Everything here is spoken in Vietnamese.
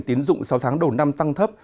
tiến dụng sáu tháng đầu năm tăng thấp